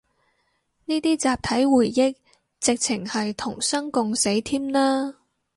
呢啲集體回憶，直程係同生共死添啦